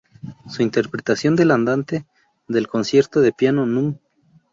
Su interpretación del Andante del Concierto de Piano Núm.